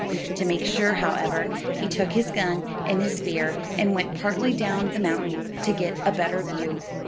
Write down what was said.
To make sure, however, he took his gun and his spear and went partly down the mountain to get a better view.